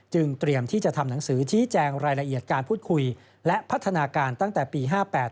เตรียมที่จะทำหนังสือชี้แจงรายละเอียดการพูดคุยและพัฒนาการตั้งแต่ปี๕๘